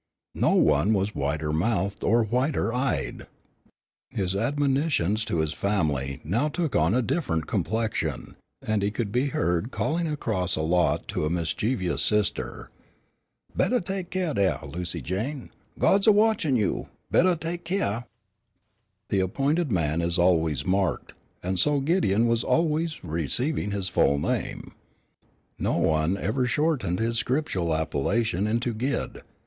No one was wider mouthed or whiter eyed. His admonitions to his family now took on a different complexion, and he could be heard calling across a lot to a mischievous sister, "Bettah tek keer daih, Lucy Jane, Gawd's a watchin' you; bettah tek keer." The appointed man is always marked, and so Gideon was by always receiving his full name. No one ever shortened his scriptural appellation into Gid.